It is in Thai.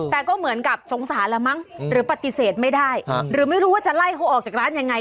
แต่ก็เหมือนกับสงสารแล้วมั้งหรือปฏิเสธไม่ได้หรือไม่รู้ว่าจะไล่เขาออกจากร้านยังไง